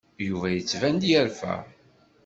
Yuba yettban-d yerfa.